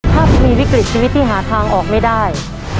ถ้าคุณมีวิกฤตชีวิตที่หาทางออกไม่ได้